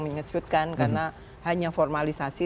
menyejutkan karena hanya formalisasi